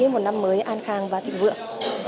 một năm mới an khang và thị vượng